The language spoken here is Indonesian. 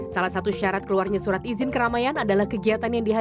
salah satu syarat keluarnya surat izin keramaian adalah diberikan kepolisian